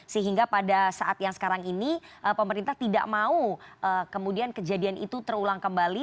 sehingga pada saat yang sekarang ini pemerintah tidak mau kemudian kejadian itu terulang kembali